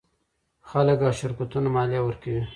خلک او شرکتونه مالیه ورکوي.